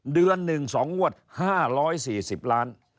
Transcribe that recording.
เดือนหนึ่ง๒งวด๕๔๐ล้าน